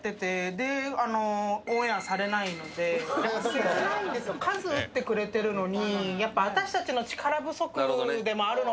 切ないんですよ、数打ってくれてるのに。